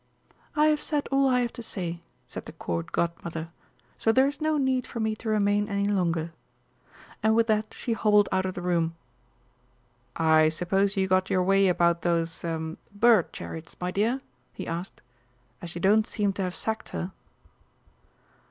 "I have said all I have to say," said the Court Godmother, "so there is no need for me to remain any longer." And with that she hobbled out of the room. "I suppose you got your way about those ah bird chariots, my dear?" he asked, "as you don't seem to have sacked her!"